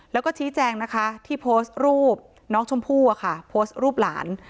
แล้วก็ชี้แจงนะคะที่โพสต์รูปน้องชมพู่โพสต์รูปหลาน